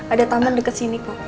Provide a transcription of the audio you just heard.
ada taman dekat sini kok